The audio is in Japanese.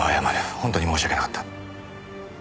本当に申し訳なかった。